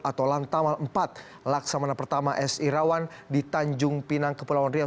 atau lantaman empat laksamana pertama s i rawan di tanjung pinang kepulauan riau